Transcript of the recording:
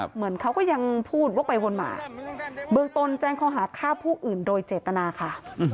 เหมือนเขาก็ยังพูดวกไปวนมาเบื้องต้นแจ้งข้อหาฆ่าผู้อื่นโดยเจตนาค่ะ